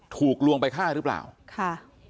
ถูกลวงไปฆ่าหรือเปล่าค่ะ